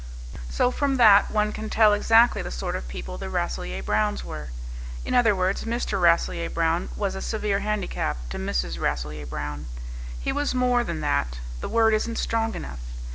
So from that one can tell exactly the sort of people the Rasselyer Browns were. In other words, Mr. Rasselyer Brown was a severe handicap to Mrs. Rasselyer Brown. He was more than that; the word isn't strong enough.